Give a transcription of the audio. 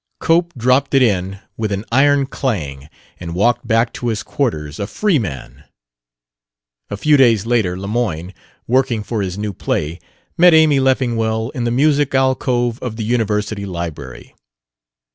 Cope dropped it in with an iron clang and walked back to his quarters a free man. A few days later Lemoyne, working for his new play, met Amy Leffingwell in the music alcove of the University library.